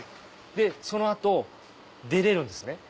でその後出れるんですね。